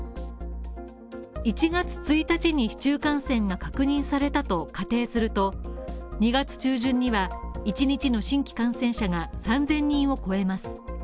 １月１日に市中感染が確認されたと仮定すると、２月中旬には１日の新規感染者が３０００人を超えます。